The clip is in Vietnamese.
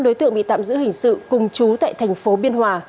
năm đối tượng bị tạm giữ hình sự cùng chú tại tp biên hòa